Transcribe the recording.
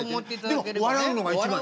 でも笑うのが一番。